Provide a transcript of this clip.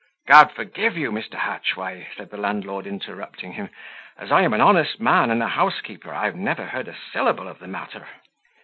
"God forgive you! Mr. Hatchway," said the landlord, interrupting him; "as I am an honest man and a housekeeper, I never heard a syllable of the matter."